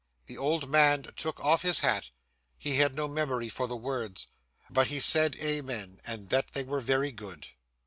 The old man took off his hat he had no memory for the words but he said amen, and that they were very good.